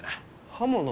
刃物？